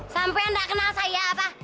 sampai nggak kenal saya apa